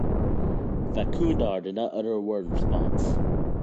Vaikundar did not utter a word in response.